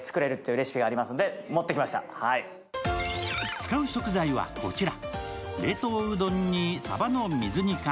使う食材は、こちら。